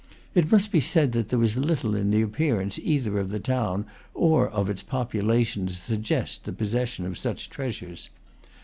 It must be said that there was little in the appearance either of the town or of its population to suggest the possession of such treasures.